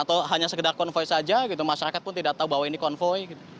atau hanya sekedar konvoy saja gitu masyarakat pun tidak tahu bahwa ini konvoy